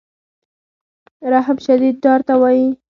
رهب شدید ډار ته وایي.